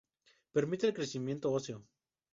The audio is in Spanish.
Permite el crecimiento óseo.